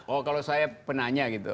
oh kalau saya penanya gitu